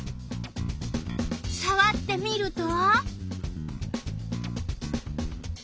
さわってみると。